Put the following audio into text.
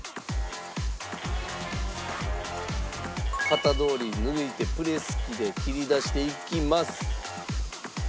型どおりに抜いてプレス機で切り出していきます。